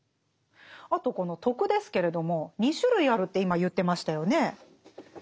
あとこの「徳」ですけれども２種類あるって今言ってましたよね。